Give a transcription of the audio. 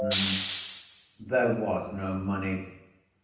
There Was No Money.